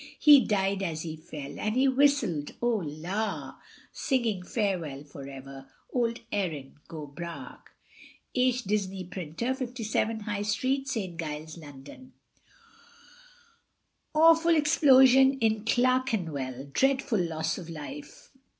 He died as he fell, and he whistled, oh la! Singing, farewell for ever, old Erin go bragh. H. Disley, Printer, 57, High Street, St. Giles, London. AWFUL EXPLOSION IN CLERKENWELL. DREADFUL LOSS OF LIFE.